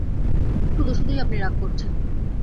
শুধু শুধুই আপনি রাগ করছেন।